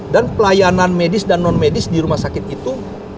dan pelayanan medis dan non medis di rumah sakit itu